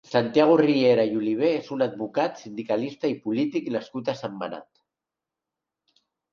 Santiago Riera i Olivé és un advocat, sindicalista i polític nascut a Sentmenat.